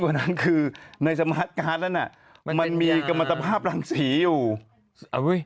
วันนั้นคือในสมาร์ทการ์ดนั้นอ่ะมันมีกรรมตภาพรังสีอยู่อุ้ย